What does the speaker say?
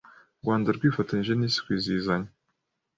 Rwanda rwifatanyije n’isi kwizihizanya